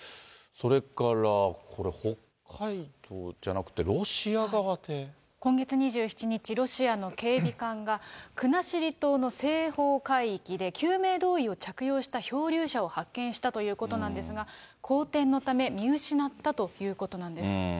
それからこれ、北海道じゃなくて、今月２７日、ロシアの警備艦が、国後島の西方海域で、救命胴衣を着用した漂流者を発見したということなんですが、荒天のため見失ったということなんです。